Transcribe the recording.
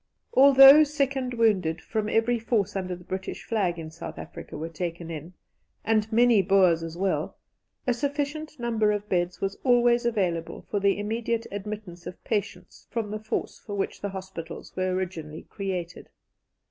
Although sick and wounded from every force under the British flag in South Africa were taken in, and many Boers as well, a sufficient number of beds was always available for the immediate admittance of patients from the force for which the hospitals were originally created.